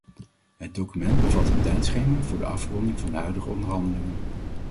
Het document bevat een tijdschema voor de afronding van de huidige onderhandelingen.